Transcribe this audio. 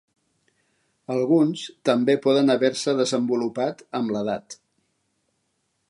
Alguns també poden haver-se desenvolupat amb l'edat.